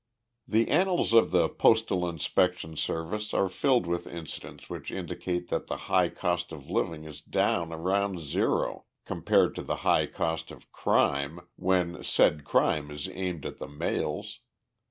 The annals of the Postal Inspection Service are filled with incidents which indicate that the High Cost of Living is down around zero compared to the High Cost of Crime, when said crime is aimed at the mails.